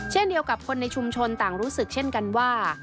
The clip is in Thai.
เช่นเดียวกับคนในชุมชนต่างรู้สึกเช่นกันว่า